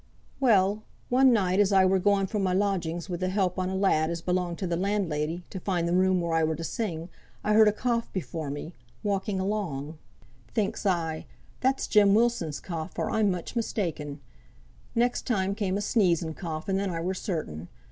"Well, one night as I were going fra' my lodgings wi' the help on a lad as belonged to th' landlady, to find the room where I were to sing, I heard a cough before me, walking along. Thinks I, that's Jem Wilson's cough, or I'm much mistaken. Next time came a sneeze and a cough, and then I were certain.